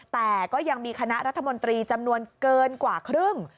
แต่ก็ยังมีคณะรัฐมนตรีจำนวนเกินกว่าครึ่ง